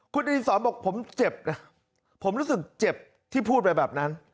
คุณอดีศรบอกผมเจ็บนะผมรู้สึกเจ็บที่พูดไปแบบนั้น